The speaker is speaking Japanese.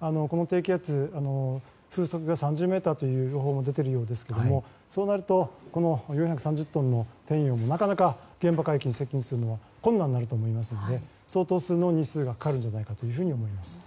この低気圧、風速が３０メートルという予報も出ているようですがそうなると４３０トンの「天洋」もなかなか現場海域に接近するのが困難になると思いますので相当数の日数がかかるんじゃないかと思います。